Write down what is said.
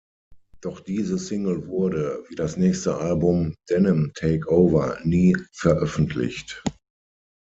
Doch diese Single wurde, wie das nächste Album "Denim Take Over", nie veröffentlicht.